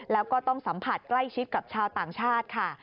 แล้วก็ต้องสัมผัสใกล้ชิดกับชาวต่างชาติค่ะ